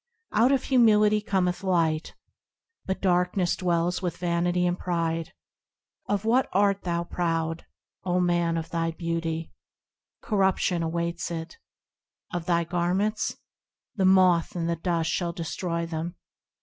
Out of Humility cometh Light, But darkness dwells with vanity and pride. Of what art thou proud ? O man ! of thy beauty ? Corruption awaits it. Of thy garments ? The moth and the dust shall destroy them.